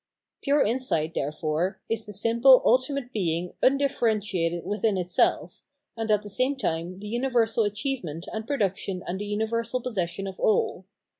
Pure insight, therefore, is the simple ultimate being undifferentiated within itself, and at the same time the 545 Belief and Pure Insight tmiyersal achievement and production and a universal possession of all.